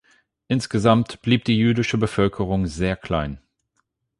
Insgesamt blieb die jüdische Bevölkerung sehr klein.